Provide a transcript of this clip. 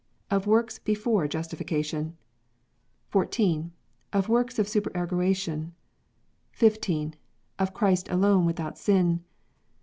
Of Works before Justification. 14. Of Works of Supererogation. 15. Of Christ alone without Sin.